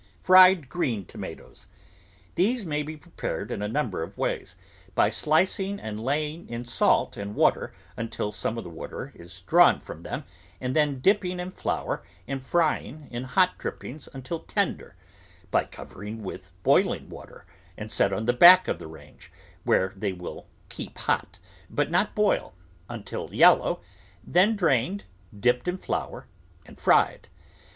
FRIED GREEN TOMATOES These may be prepared in a number of ways : by slicing and laying in salt and water until some of the water is drawn from them and then dipping in flour and frying in hot drippings until tender; by covering with boiling water and set on the back of the range, where they will keep hot, but not boil, until yellow, then drained, dipped in flour, and fried.